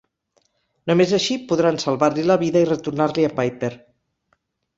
Només així podran salvar-li la vida i retornar-li a Piper.